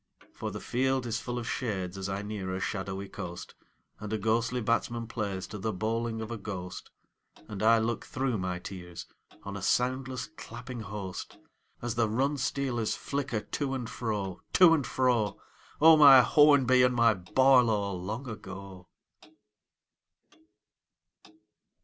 For the field is full of shades as I near a shadowy coast, And a ghostly batsman plays to the bowling of a ghost, And I look through my tears on a soundless clapping host As the run stealers flicker to and fro, To and fro: O my Hornby and my Barlow long ago